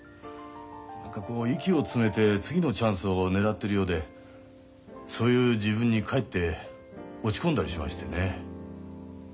何かこう息を詰めて次のチャンスを狙ってるようでそういう自分にかえって落ち込んだりしましてね。